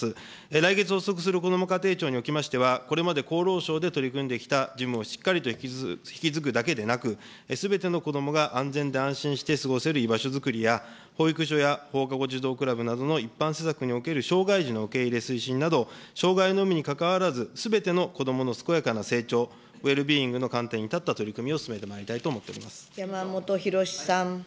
来月発足するこども家庭庁におきましては、これまで厚労省で取り組んできた事務をしっかりと引き継ぐだけでなく、すべてのこどもが安全で安心して過ごせる居場所づくりや、保育所や放課後児童クラブなど一般施策における障害児の受け入れ推進など、障害のみに関わらず、すべてのこどもの健やかな成長、ウェルビーイングの観点に立ったを進めてまいりたいと思ってい山本博司さん。